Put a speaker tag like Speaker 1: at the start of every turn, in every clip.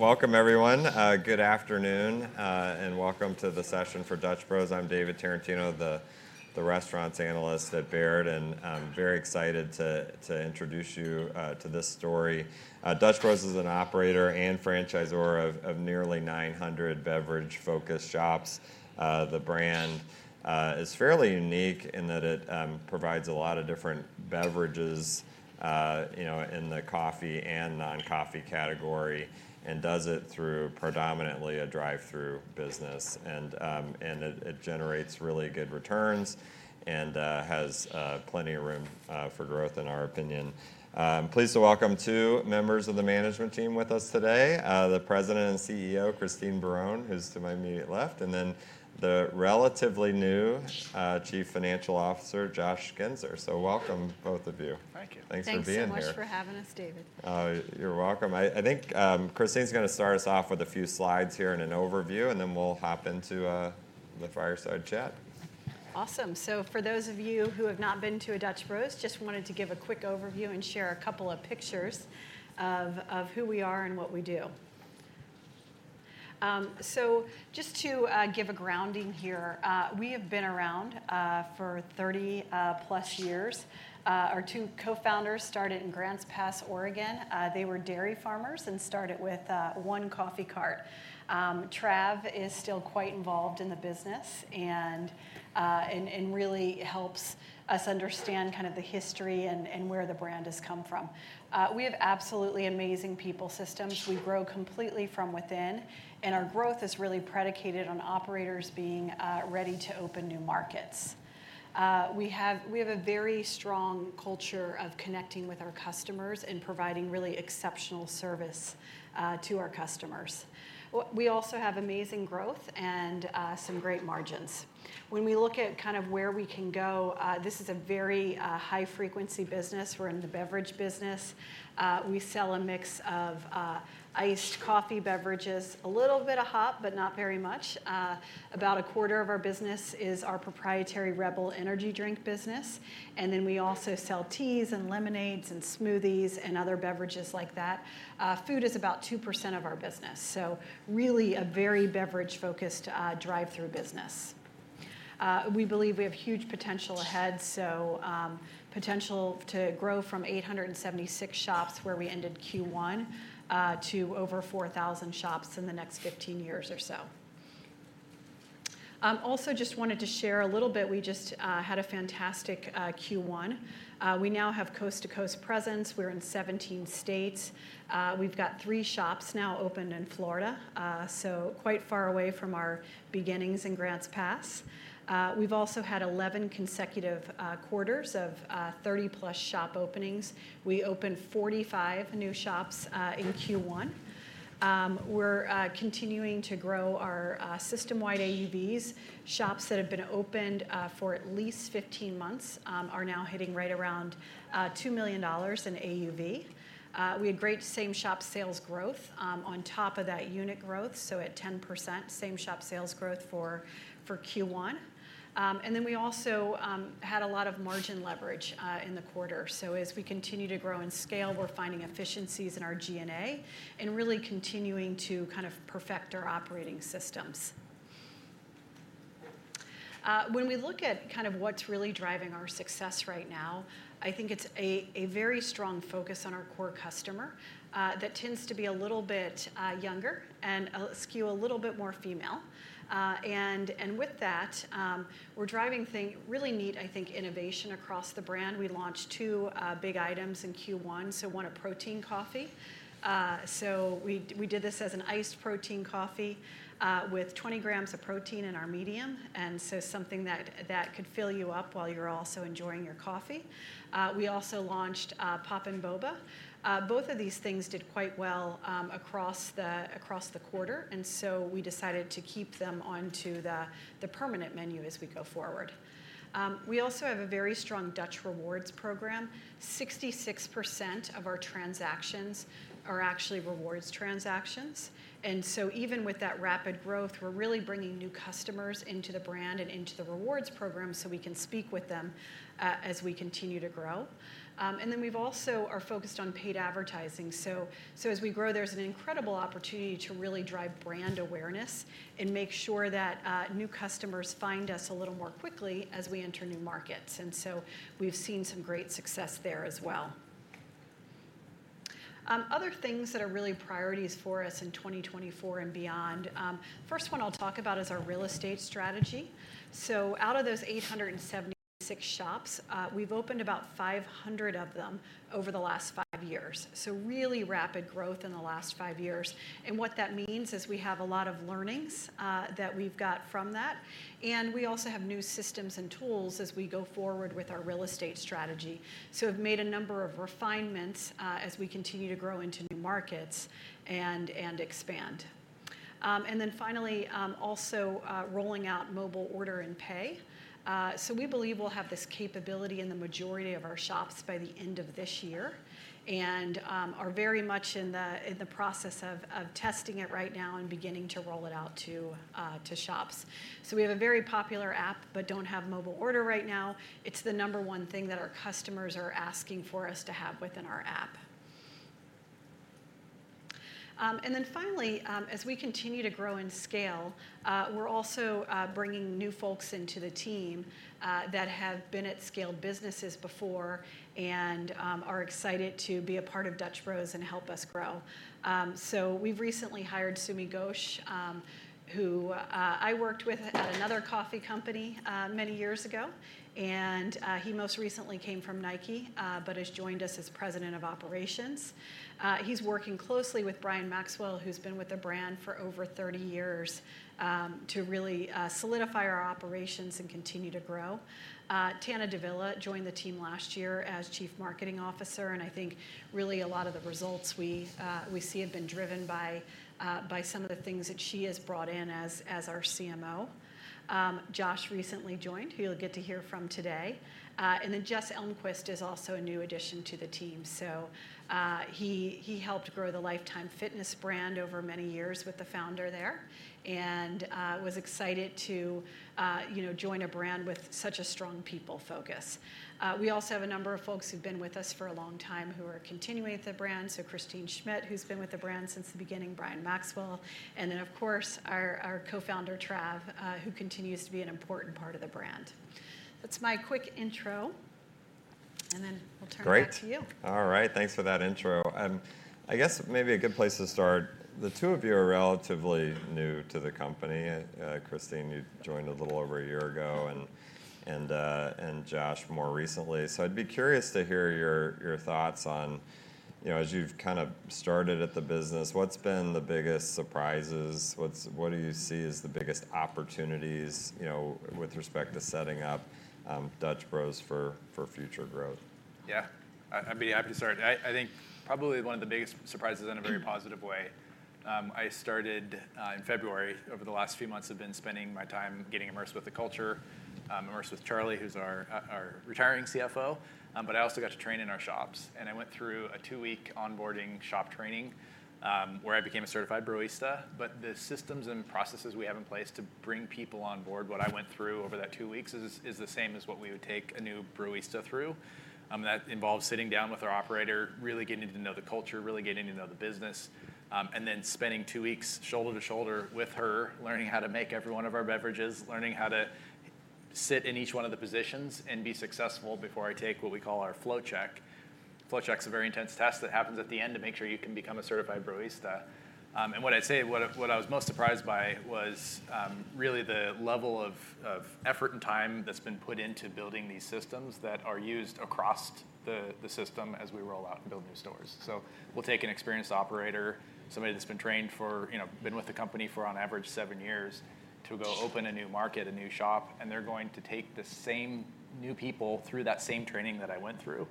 Speaker 1: Welcome everyone. Good afternoon, and welcome to the session for Dutch Bros. I'm David Tarantino, the Restaurants Analyst at Baird, and I'm very excited to introduce you to this story. Dutch Bros is an operator and franchisor of nearly 900 beverage-focused shops. The brand is fairly unique in that it provides a lot of different beverages, you know, in the coffee and non-coffee category, and does it through predominantly a drive-through business. And it generates really good returns and has plenty of room for growth, in our opinion. I'm pleased to welcome two members of the management team with us today: the President and CEO, Christine Barone, who's to my immediate left, and then the relatively new Chief Financial Officer, Josh Guenser. So welcome, both of you.
Speaker 2: Thank you.
Speaker 3: Thanks for being here. Thanks so much for having us, David.
Speaker 1: You're welcome. I think Christine's going to start us off with a few slides here and an overview, and then we'll hop into the fireside chat.
Speaker 3: Awesome. So for those of you who have not been to a Dutch Bros, just wanted to give a quick overview and share a couple of pictures of who we are and what we do. So just to give a grounding here, we have been around for 30+ years. Our two co-founders started in Grants Pass, Oregon. They were dairy farmers and started with one coffee cart. Trav is still quite involved in the business, and really helps us understand kind of the history and where the brand has come from. We have absolutely amazing people systems. We grow completely from within, and our growth is really predicated on operators being ready to open new markets. We have, we have a very strong culture of connecting with our customers and providing really exceptional service, to our customers. We also have amazing growth and, some great margins. When we look at kind of where we can go, this is a very, high-frequency business. We're in the beverage business. We sell a mix of, iced coffee beverages, a little bit of hot, but not very much. About a quarter of our business is our proprietary Rebel energy drink business, and then we also sell teas and lemonades and smoothies and other beverages like that. Food is about 2% of our business, so really a very beverage-focused, drive-through business. We believe we have huge potential ahead, so potential to grow from 876 shops, where we ended Q1, to over 4,000 shops in the next 15 years or so. Also just wanted to share a little bit, we just had a fantastic Q1. We now have coast-to-coast presence. We're in 17 states. We've got three shops now opened in Florida, so quite far away from our beginnings in Grants Pass. We've also had 11 consecutive quarters of 30+ shop openings. We opened 45 new shops in Q1. We're continuing to grow our system-wide AUVs. Shops that have been opened for at least 15 months are now hitting right around $2 million in AUV. We had great same-shop sales growth on top of that unit growth, so at 10% same-shop sales growth for Q1. And then we also had a lot of margin leverage in the quarter. So as we continue to grow in scale, we're finding efficiencies in our G&A and really continuing to kind of perfect our operating systems. When we look at kind of what's really driving our success right now, I think it's a very strong focus on our core customer that tends to be a little bit younger and skew a little bit more female. And with that, we're driving really neat, I think, innovation across the brand. We launched two big items in Q1, so one, a protein coffee. So we did this as an iced protein coffee with 20 grams of protein in our medium, and so something that could fill you up while you're also enjoying your coffee. We also launched Poppin' Boba. Both of these things did quite well across the quarter, and so we decided to keep them onto the permanent menu as we go forward. We also have a very strong Dutch Rewards program. 66% of our transactions are actually rewards transactions, and so even with that rapid growth, we're really bringing new customers into the brand and into the rewards program so we can speak with them as we continue to grow. And then we've also are focused on paid advertising. So as we grow, there's an incredible opportunity to really drive brand awareness and make sure that new customers find us a little more quickly as we enter new markets, and so we've seen some great success there as well. Other things that are really priorities for us in 2024 and beyond, first one I'll talk about is our real estate strategy. So out of those 876 shops, we've opened about 500 of them over the last five years, so really rapid growth in the last five years. What that means is we have a lot of learnings that we've got from that, and we also have new systems and tools as we go forward with our real estate strategy. So we've made a number of refinements as we continue to grow into new markets and expand. And then finally, also rolling out Mobile Order and Pay. So we believe we'll have this capability in the majority of our shops by the end of this year and are very much in the process of testing it right now and beginning to roll it out to shops. So we have a very popular app, but don't have Mobile Order right now. It's the number one thing that our customers are asking for us to have within our app.... And then finally, as we continue to grow in scale, we're also bringing new folks into the team that have been at scale businesses before and are excited to be a part of Dutch Bros and help us grow. So we've recently hired Sumi Ghosh, who I worked with at another coffee company many years ago, and he most recently came from Nike, but has joined us as President of Operations. He's working closely with Brian Maxwell, who's been with the brand for over 30 years, to really solidify our operations and continue to grow. Tana Davila joined the team last year as Chief Marketing Officer, and I think really a lot of the results we see have been driven by some of the things that she has brought in as our CMO. Josh recently joined, who you'll get to hear from today. And then Jess Elmquist is also a new addition to the team. So, he helped grow the Life Time brand over many years with the founder there, and was excited to, you know, join a brand with such a strong people focus. We also have a number of folks who've been with us for a long time, who are continuing with the brand. So Christine Schmidt, who's been with the brand since the beginning, Brian Maxwell, and then of course, our co-founder, Trav, who continues to be an important part of the brand. That's my quick intro, and then we'll turn it back to you.
Speaker 1: Great! All right, thanks for that intro. I guess maybe a good place to start, the two of you are relatively new to the company. Christine, you joined a little over a year ago, and Josh more recently. So I'd be curious to hear your thoughts on, you know, as you've kind of started at the business, what's been the biggest surprises? What do you see as the biggest opportunities, you know, with respect to setting up Dutch Bros for future growth?
Speaker 2: Yeah, I'd be happy to start. I think probably one of the biggest surprises in a very positive way, I started in February. Over the last few months, I've been spending my time getting immersed with the culture, immersed with Charlie, who's our retiring CFO. But I also got to train in our shops, and I went through a two-week onboarding shop training, where I became a certified Broista. But the systems and processes we have in place to bring people on board, what I went through over that two weeks, is the same as what we would take a new Broista through. That involves sitting down with our operator, really getting to know the culture, really getting to know the business, and then spending two weeks shoulder to shoulder with her, learning how to make every one of our beverages, learning how to sit in each one of the positions and be successful before I take what we call our Flow Check. Flow Check's a very intense test that happens at the end to make sure you can become a certified Broista. And what I'd say, what I was most surprised by was, really the level of effort and time that's been put into building these systems that are used across the system as we roll out and build new stores. So we'll take an experienced operator, somebody that's been trained for, you know, been with the company for on average, seven years, to go open a new market, a new shop, and they're going to take the same new people through that same training that I went through.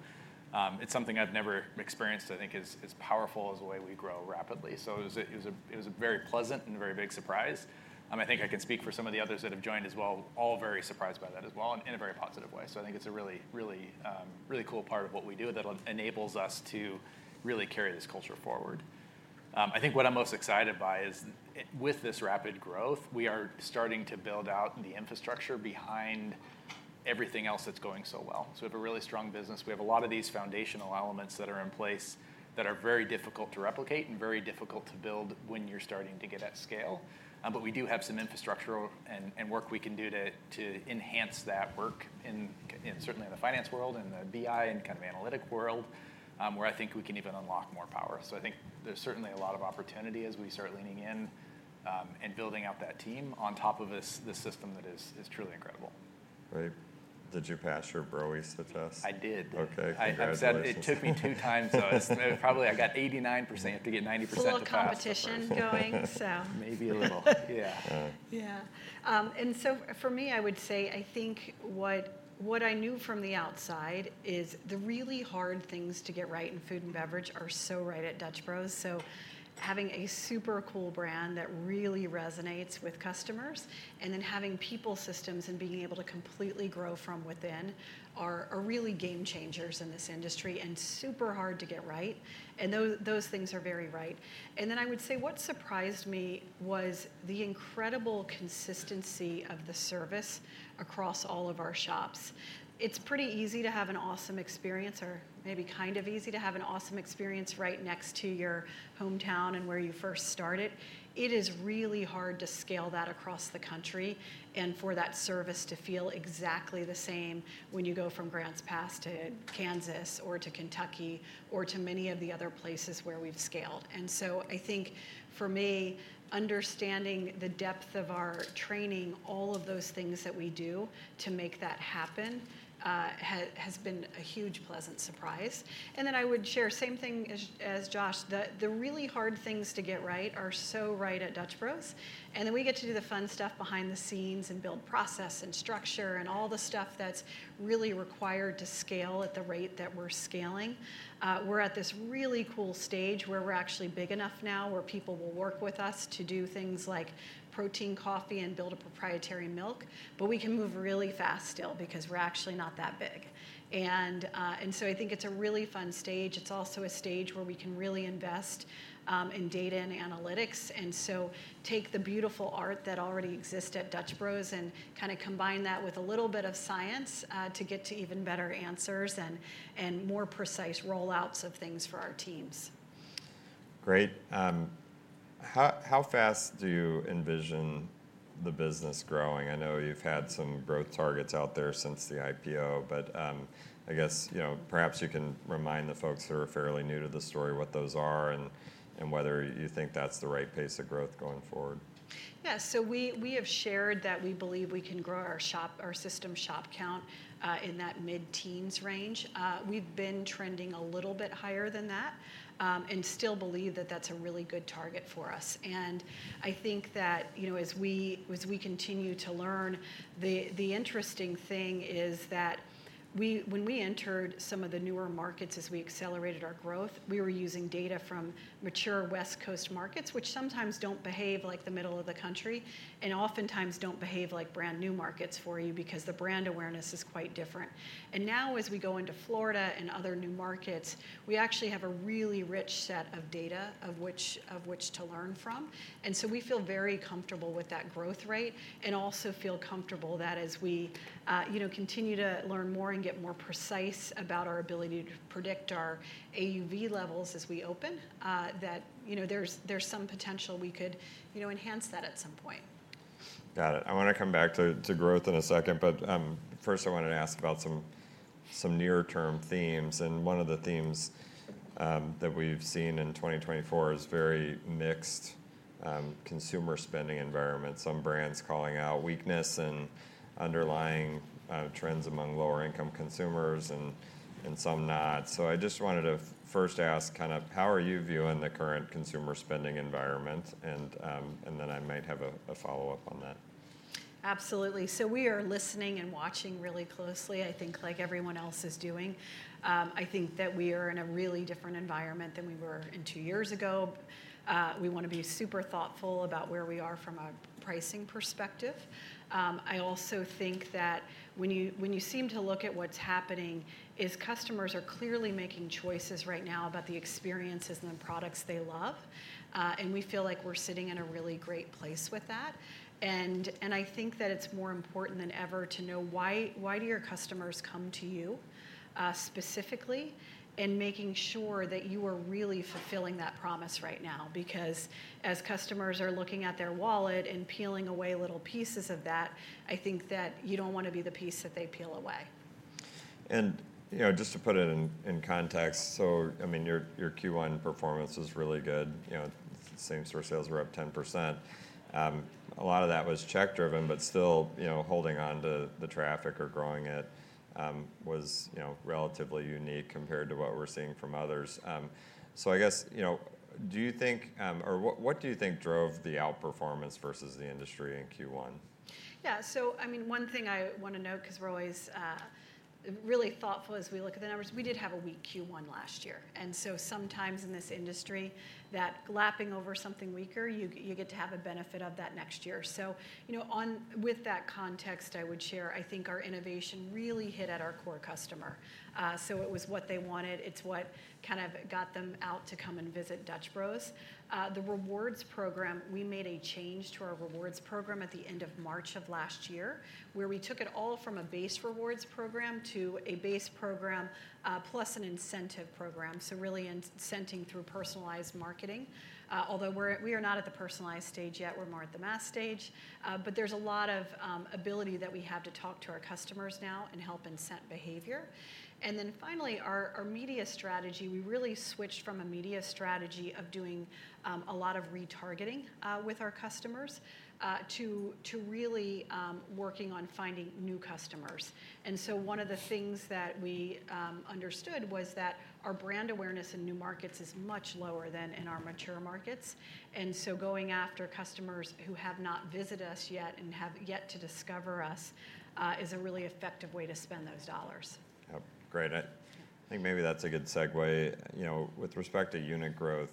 Speaker 2: It's something I've never experienced, I think, is powerful as the way we grow rapidly. So it was a very pleasant and a very big surprise. I think I can speak for some of the others that have joined as well, all very surprised by that as well, and in a very positive way. So I think it's a really, really, really cool part of what we do that enables us to really carry this culture forward. I think what I'm most excited by is with this rapid growth, we are starting to build out the infrastructure behind everything else that's going so well. So we have a really strong business. We have a lot of these foundational elements that are in place that are very difficult to replicate and very difficult to build when you're starting to get at scale. But we do have some infrastructure and work we can do to enhance that work in certainly in the finance world and the BI and kind of analytic world, where I think we can even unlock more power. So I think there's certainly a lot of opportunity as we start leaning in and building out that team on top of this system that is truly incredible.
Speaker 1: Great. Did you pass your Broista test?
Speaker 2: I did.
Speaker 1: Okay, congratulations.
Speaker 2: It took me two times, so it's probably I got 89%. You have to get 90% to pass.
Speaker 3: Full competition going, so...
Speaker 2: Maybe a little. Yeah.
Speaker 1: Yeah.
Speaker 3: Yeah. And so for me, I would say, I think what, what I knew from the outside is the really hard things to get right in food and beverage are so right at Dutch Bros. So having a super cool brand that really resonates with customers, and then having people systems and being able to completely grow from within, are, are really game changers in this industry and super hard to get right, and those things are very right. And then I would say what surprised me was the incredible consistency of the service across all of our shops. It's pretty easy to have an awesome experience, or maybe kind of easy to have an awesome experience right next to your hometown and where you first started. It is really hard to scale that across the country, and for that service to feel exactly the same when you go from Grants Pass to Kansas, or to Kentucky, or to many of the other places where we've scaled. So I think for me, understanding the depth of our training, all of those things that we do to make that happen, has been a huge pleasant surprise. Then I would share, same thing as, as Josh, the, the really hard things to get right are so right at Dutch Bros, and then we get to do the fun stuff behind the scenes and build process and structure, and all the stuff that's really required to scale at the rate that we're scaling. We're at this really cool stage where we're actually big enough now, where people will work with us to do things like protein coffee and build a proprietary milk, but we can move really fast still because we're actually not that big. And, and so I think it's a really fun stage. It's also a stage where we can really invest in data and analytics, and so take the beautiful art that already exists at Dutch Bros and kinda combine that with a little bit of science to get to even better answers and, and more precise rollouts of things for our teams.
Speaker 1: Great. How fast do you envision the business growing? I know you've had some growth targets out there since the IPO, but, I guess, you know, perhaps you can remind the folks who are fairly new to the story what those are, and whether you think that's the right pace of growth going forward.
Speaker 3: Yeah, so we have shared that we believe we can grow our system shop count in that mid-teens range. We've been trending a little bit higher than that, and still believe that that's a really good target for us. I think that, you know, as we continue to learn, the interesting thing is that we when we entered some of the newer markets as we accelerated our growth, we were using data from mature West Coast markets, which sometimes don't behave like the middle of the country and oftentimes don't behave like brand-new markets for you because the brand awareness is quite different. And now, as we go into Florida and other new markets, we actually have a really rich set of data of which to learn from, and so we feel very comfortable with that growth rate and also feel comfortable that as we, you know, continue to learn more and get more precise about our ability to predict our AUV levels as we open, that, you know, there's some potential we could, you know, enhance that at some point.
Speaker 1: Got it. I want to come back to growth in a second, but first I wanted to ask about some nearer-term themes, and one of the themes that we've seen in 2024 is very mixed consumer spending environment. Some brands calling out weakness and underlying trends among lower-income consumers and some not. So I just wanted to first ask kind of how are you viewing the current consumer spending environment? And then I might have a follow-up on that.
Speaker 3: Absolutely. So we are listening and watching really closely, I think, like everyone else is doing. I think that we are in a really different environment than we were in two years ago. We want to be super thoughtful about where we are from a pricing perspective. I also think that when you, when you seem to look at what's happening, is customers are clearly making choices right now about the experiences and the products they love, and we feel like we're sitting in a really great place with that. And, and I think that it's more important than ever to know why, why do your customers come to you, specifically, and making sure that you are really fulfilling that promise right now. Because as customers are looking at their wallet and peeling away little pieces of that, I think that you don't want to be the piece that they peel away.
Speaker 1: You know, just to put it in context, so I mean, your Q1 performance was really good. You know, same-store sales were up 10%. A lot of that was check-driven, but still, you know, holding on to the traffic or growing it was, you know, relatively unique compared to what we're seeing from others. So I guess, you know, do you think or what do you think drove the outperformance versus the industry in Q1?
Speaker 3: Yeah, so I mean, one thing I want to note, because we're always really thoughtful as we look at the numbers, we did have a weak Q1 last year, and so sometimes in this industry, that lapping over something weaker, you get to have a benefit of that next year. So you know, on with that context, I would share, I think our innovation really hit at our core customer. So it was what they wanted. It's what kind of got them out to come and visit Dutch Bros. The rewards program, we made a change to our rewards program at the end of March of last year, where we took it all from a base rewards program to a base program plus an incentive program, so really incenting through personalized marketing. Although we are not at the personalized stage yet, we're more at the mass stage. But there's a lot of ability that we have to talk to our customers now and help incent behavior. And then finally, our media strategy. We really switched from a media strategy of doing a lot of retargeting with our customers to really working on finding new customers. And so one of the things that we understood was that our brand awareness in new markets is much lower than in our mature markets. And so going after customers who have not visited us yet and have yet to discover us is a really effective way to spend those dollars.
Speaker 1: Yep. Great. I think maybe that's a good segue. You know, with respect to unit growth,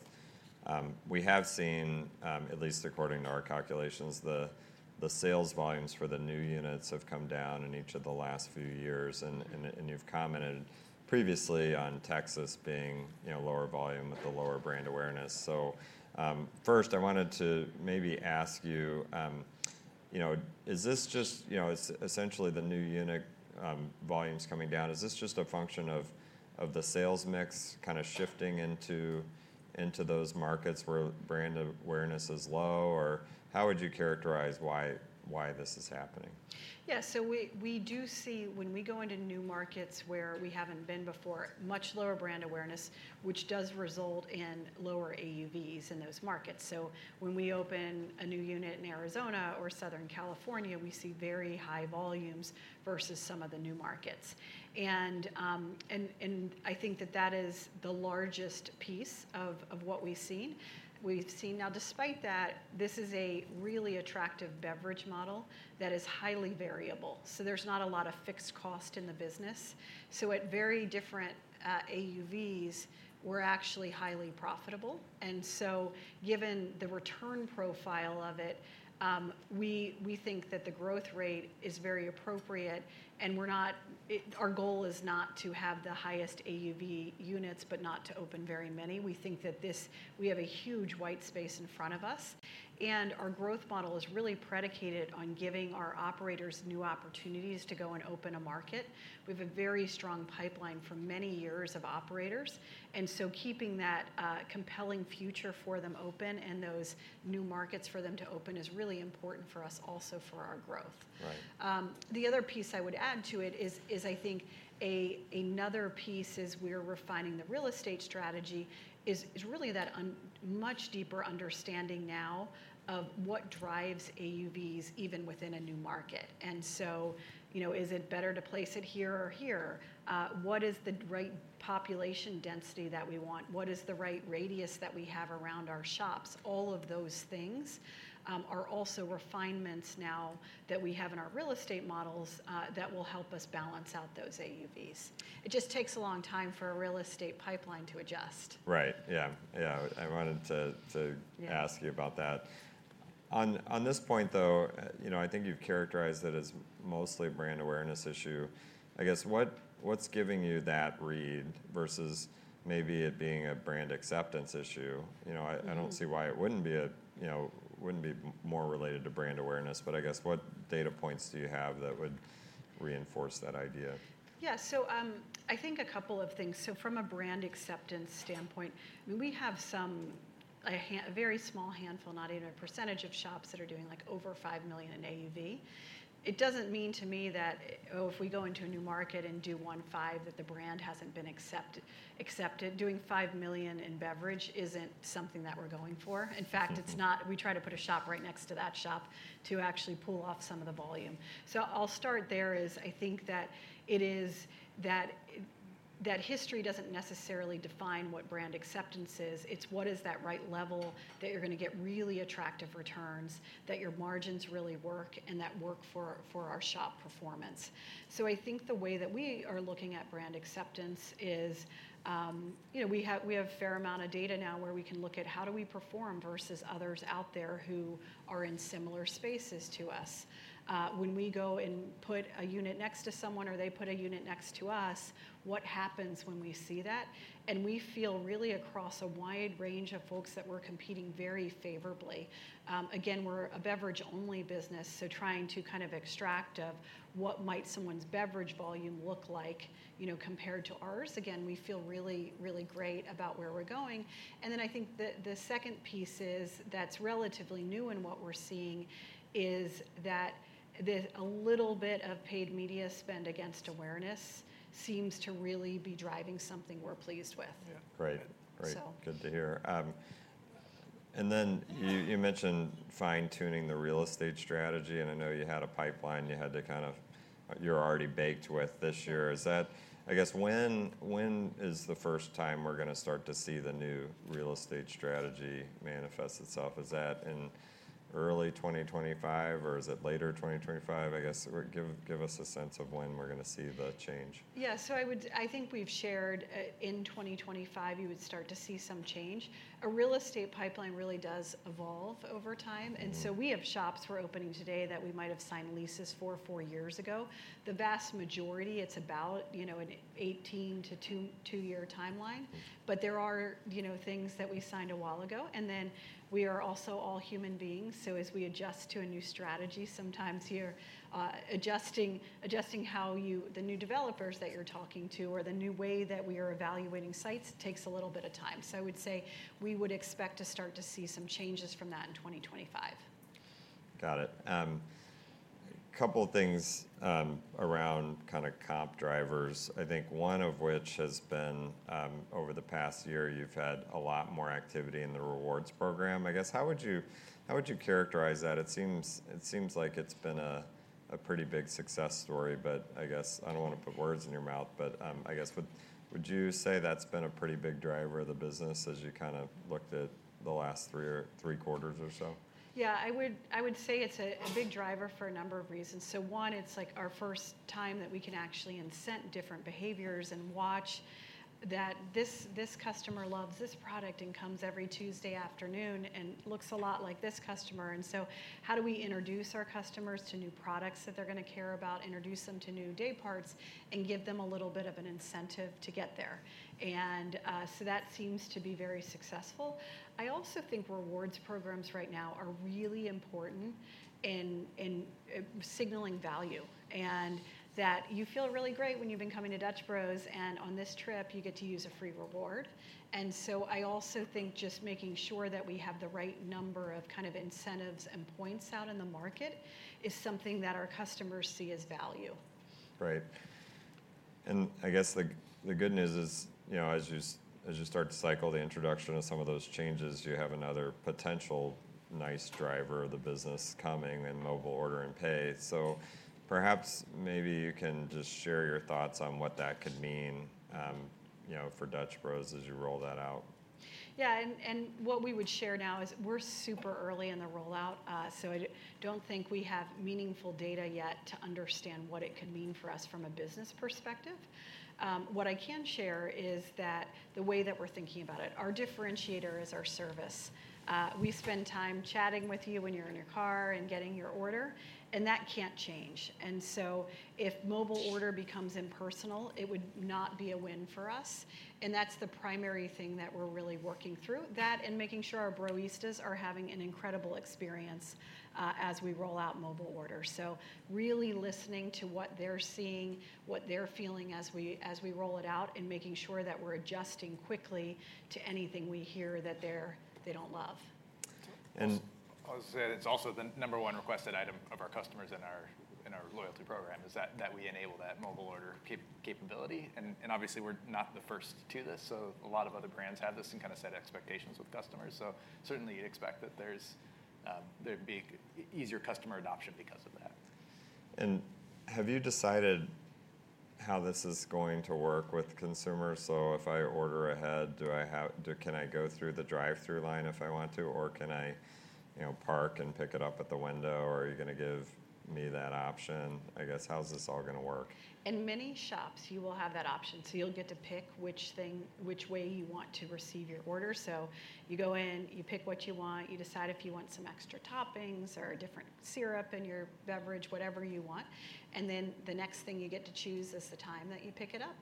Speaker 1: we have seen, at least according to our calculations, the sales volumes for the new units have come down in each of the last few years. And you've commented previously on Texas being, you know, lower volume with the lower brand awareness. So, first, I wanted to maybe ask you, you know, is this just... You know, essentially the new unit volumes coming down, is this just a function of the sales mix kind of shifting into those markets where brand awareness is low? Or how would you characterize why this is happening?
Speaker 3: Yeah, so we, we do see when we go into new markets where we haven't been before, much lower brand awareness, which does result in lower AUVs in those markets. So when we open a new unit in Arizona or Southern California, we see very high volumes versus some of the new markets. And, and, and I think that that is the largest piece of, of what we've seen. We've seen... Now, despite that, this is a really attractive beverage model that is highly variable, so there's not a lot of fixed cost in the business. So at very different, AUVs, we're actually highly profitable. And so given the return profile of it, we, we think that the growth rate is very appropriate, and we're not- it- our goal is not to have the highest AUV units, but not to open very many. We think that we have a huge white space in front of us, and our growth model is really predicated on giving our operators new opportunities to go and open a market. We have a very strong pipeline for many years of operators, and so keeping that compelling future for them open and those new markets for them to open is really important for us also for our growth.
Speaker 1: Right.
Speaker 3: The other piece I would add to it is, I think another piece is we're refining the real estate strategy is really that much deeper understanding now of what drives AUVs even within a new market. And so, you know, is it better to place it here or here? What is the right population density that we want? What is the right radius that we have around our shops? All of those things are also refinements now that we have in our real estate models that will help us balance out those AUVs. It just takes a long time for a real estate pipeline to adjust.
Speaker 1: Right. Yeah. Yeah, I wanted to,
Speaker 3: Yeah
Speaker 1: Ask you about that. On this point, though, you know, I think you've characterized it as mostly a brand awareness issue. I guess, what's giving you that read versus maybe it being a brand acceptance issue? You know-
Speaker 3: Mm-hmm
Speaker 1: I don't see why it wouldn't be a, you know, wouldn't be more related to brand awareness, but I guess, what data points do you have that would reinforce that idea?
Speaker 3: Yeah. So, I think a couple of things. So from a brand acceptance standpoint, we have some, a very small handful, not even a percentage of shops that are doing, like, over $5 million in AUV. It doesn't mean to me that, oh, if we go into a new market and do $1.5 million, that the brand hasn't been accepted. Doing $5 million in beverage isn't something that we're going for. In fact, it's not. We try to put a shop right next to that shop to actually pull off some of the volume. So I'll start there, is I think that it is that, that history doesn't necessarily define what brand acceptance is, it's what is that right level that you're going to get really attractive returns, that your margins really work and that work for, for our shop performance. So I think the way that we are looking at brand acceptance is, you know, we have, we have a fair amount of data now where we can look at how do we perform versus others out there who are in similar spaces to us. When we go and put a unit next to someone or they put a unit next to us, what happens when we see that? And we feel really across a wide range of folks that we're competing very favorably. Again, we're a beverage-only business, so trying to kind of extract of what might someone's beverage volume look like, you know, compared to ours. Again, we feel really, really great about where we're going. And then I think the second piece is, that's relatively new in what we're seeing, is that a little bit of paid media spend against awareness seems to really be driving something we're pleased with.
Speaker 1: Yeah. Great, great.
Speaker 3: So.
Speaker 1: Good to hear. And then you mentioned fine-tuning the real estate strategy, and I know you had a pipeline you had to kind of... You're already baked with this year. Is that - I guess, when is the first time we're going to start to see the new real estate strategy manifest itself? Is that in early 2025 or is it later 2025? I guess, give us a sense of when we're going to see the change.
Speaker 3: Yeah. So I would—I think we've shared, in 2025, you would start to see some change. A real estate pipeline really does evolve over time.
Speaker 1: Mm-hmm.
Speaker 3: We have shops we're opening today that we might have signed leases for 4 years ago. The vast majority, it's about, you know, an 18- to 22-year timeline.
Speaker 1: Mm-hmm.
Speaker 3: But there are, you know, things that we signed a while ago, and then we are also all human beings. So as we adjust to a new strategy, sometimes you're adjusting, adjusting how you, the new developers that you're talking to or the new way that we are evaluating sites takes a little bit of time. So I would say we would expect to start to see some changes from that in 2025.
Speaker 1: Got it. A couple of things, around kind of comp drivers, I think one of which has been, over the past year, you've had a lot more activity in the rewards program. I guess, how would you, how would you characterize that? It seems, it seems like it's been a, a pretty big success story, but I guess I don't want to put words in your mouth, but, I guess would, would you say that's been a pretty big driver of the business as you kind of looked at the last three or three quarters or so?
Speaker 3: Yeah, I would say it's a big driver for a number of reasons. So one, it's like our first time that we can actually incent different behaviors and watch that this customer loves this product and comes every Tuesday afternoon and looks a lot like this customer. And so how do we introduce our customers to new products that they're going to care about, introduce them to new day parts, and give them a little bit of an incentive to get there? And so that seems to be very successful. I also think rewards programs right now are really important in signaling value, and that you feel really great when you've been coming to Dutch Bros, and on this trip you get to use a free reward. And so I also think just making sure that we have the right number of kind of incentives and points out in the market is something that our customers see as value.
Speaker 1: Right. And I guess the good news is, you know, as you start to cycle the introduction of some of those changes, you have another potential nice driver of the business coming in Mobile Order and Pay. So perhaps maybe you can just share your thoughts on what that could mean, you know, for Dutch Bros as you roll that out.
Speaker 3: Yeah, and what we would share now is we're super early in the rollout, so I don't think we have meaningful data yet to understand what it could mean for us from a business perspective. What I can share is that the way that we're thinking about it, our differentiator is our service. We spend time chatting with you when you're in your car and getting your order, and that can't change. And so if mobile order becomes impersonal, it would not be a win for us, and that's the primary thing that we're really working through. That, and making sure our Broistas are having an incredible experience, as we roll out mobile order. So really listening to what they're seeing, what they're feeling as we, as we roll it out, and making sure that we're adjusting quickly to anything we hear that they're-they don't love....
Speaker 2: I'll say it's also the number one requested item of our customers in our loyalty program, is that we enable that mobile order capability. And obviously, we're not the first to do this, so a lot of other brands have this and kinda set expectations with customers. So certainly, you'd expect that there's there'd be easier customer adoption because of that.
Speaker 1: Have you decided how this is going to work with consumers? So if I order ahead, do I have, can I go through the drive-through line if I want to, or can I, you know, park and pick it up at the window, or are you gonna give me that option? I guess, how is this all gonna work?
Speaker 3: In many shops, you will have that option. So you'll get to pick which thing, which way you want to receive your order. So you go in, you pick what you want, you decide if you want some extra toppings or a different syrup in your beverage, whatever you want. And then the next thing you get to choose is the time that you pick it up.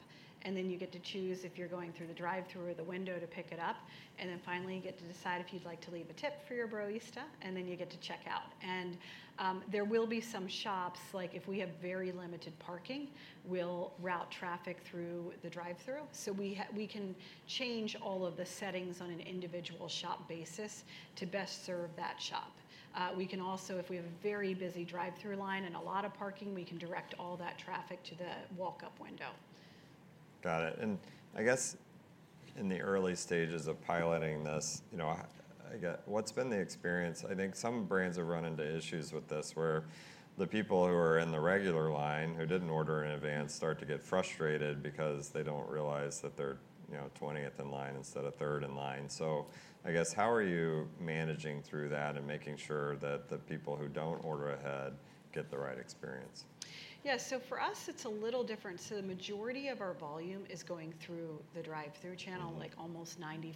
Speaker 3: And then you get to choose if you're going through the drive-through or the window to pick it up. And then finally, you get to decide if you'd like to leave a tip for your Broista, and then you get to check out. And, there will be some shops, like, if we have very limited parking, we'll route traffic through the drive-through. So we can change all of the settings on an individual shop basis to best serve that shop. We can also, if we have a very busy drive-through line and a lot of parking, direct all that traffic to the walk-up window.
Speaker 1: Got it. And I guess in the early stages of piloting this, you know, what's been the experience? I think some brands have run into issues with this, where the people who are in the regular line, who didn't order in advance, start to get frustrated because they don't realize that they're, you know, 20th in line instead of 3rd in line. So I guess, how are you managing through that and making sure that the people who don't order ahead get the right experience?
Speaker 3: Yeah, so for us it's a little different. So the majority of our volume is going through the drive-through channel.
Speaker 1: Mm-hmm.
Speaker 3: Like almost 95%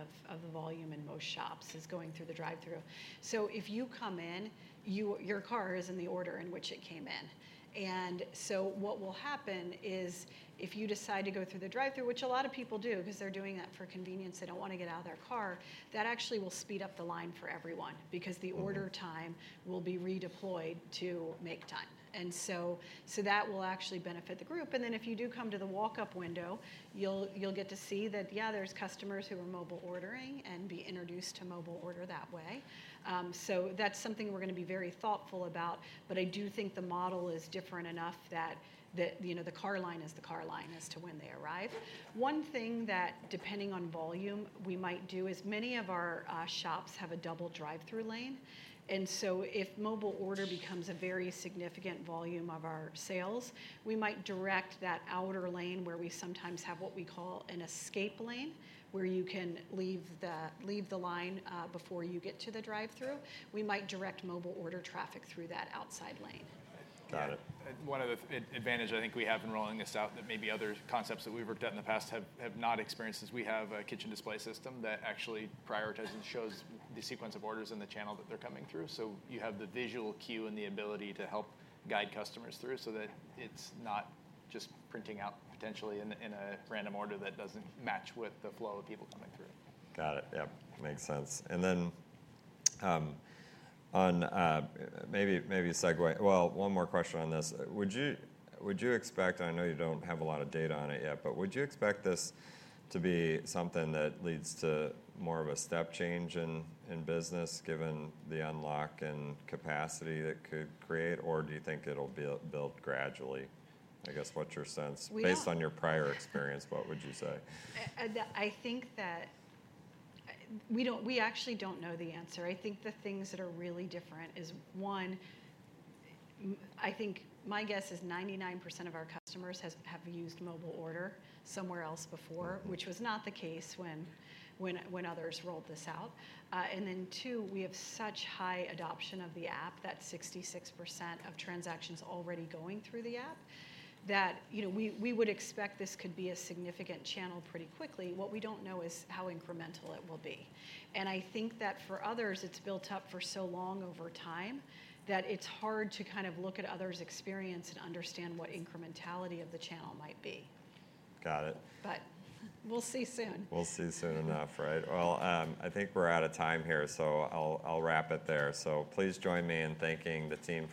Speaker 3: of, of the volume in most shops is going through the drive-through. So if you come in, you, your car is in the order in which it came in. And so what will happen is, if you decide to go through the drive-through, which a lot of people do, 'cause they're doing that for convenience, they don't wanna get out of their car, that actually will speed up the line for everyone.
Speaker 1: Mm-hmm.
Speaker 3: Because the order time will be redeployed to make time. So that will actually benefit the group. Then if you do come to the walk-up window, you'll get to see that, yeah, there's customers who are mobile ordering and be introduced to mobile order that way. So that's something we're gonna be very thoughtful about, but I do think the model is different enough that, you know, the car line is the car line as to when they arrive. One thing that, depending on volume, we might do is many of our shops have a double drive-through lane. So if mobile order becomes a very significant volume of our sales, we might direct that outer lane, where we sometimes have what we call an escape lane, where you can leave the line before you get to the drive-through. We might direct mobile order traffic through that outside lane.
Speaker 1: Got it.
Speaker 2: One other advantage I think we have in rolling this out, that maybe other concepts that we've worked at in the past have not experienced, is we have a kitchen display system that actually prioritizes and shows the sequence of orders and the channel that they're coming through. So you have the visual cue and the ability to help guide customers through, so that it's not just printing out potentially in a random order that doesn't match with the flow of people coming through.
Speaker 1: Got it. Yep, makes sense. And then, on, maybe a segue. Well, one more question on this. Would you expect, and I know you don't have a lot of data on it yet, but would you expect this to be something that leads to more of a step change in business, given the unlock and capacity it could create, or do you think it'll build gradually? I guess, what's your sense-
Speaker 3: We-
Speaker 1: Based on your prior experience, what would you say?
Speaker 3: I think that we actually don't know the answer. I think the things that are really different is, one, I think my guess is 99% of our customers has, have used mobile order somewhere else before.
Speaker 1: Mm-hmm.
Speaker 3: Which was not the case when others rolled this out. And then too, we have such high adoption of the app, that 66% of transactions already going through the app, that, you know, we would expect this could be a significant channel pretty quickly. What we don't know is how incremental it will be. And I think that for others, it's built up for so long over time, that it's hard to kind of look at others' experience and understand what incrementality of the channel might be.
Speaker 1: Got it.
Speaker 3: We'll see soon.
Speaker 1: We'll see soon enough, right? Well, I think we're out of time here, so I'll wrap it there. So please join me in thanking the team.